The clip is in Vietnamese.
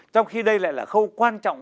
trong khi đây lại là khâu quan trọng